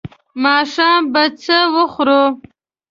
ماښام به څه وخورو؟